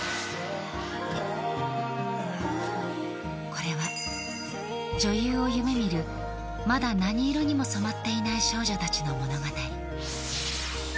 これは女優を夢みる、まだ何色にも染まっていない少女たちの物語。